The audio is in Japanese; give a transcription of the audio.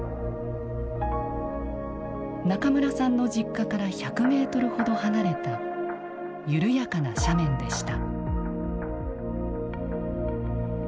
中村さんの実家から１００ｍほど離れた緩やかな斜面でした。